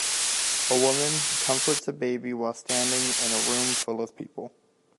A woman comforts a baby while standing in a room full of people.